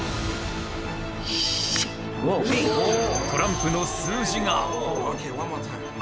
トランプの数字が。